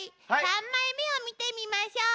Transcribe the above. ３枚目を見てみましょう。